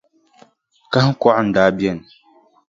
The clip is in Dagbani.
Kahiŋkɔɣu n-daa beni.